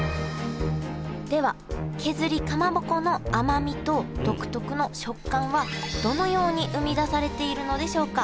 では削りかまぼこの甘みと独特の食感はどのように生み出されているのでしょうか